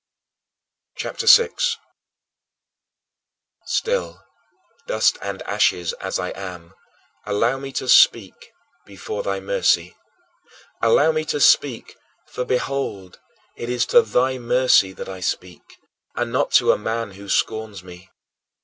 " CHAPTER VI 7. Still, dust and ashes as I am, allow me to speak before thy mercy. Allow me to speak, for, behold, it is to thy mercy that I speak and not to a man who scorns me.